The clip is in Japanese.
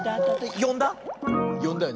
よんだよね？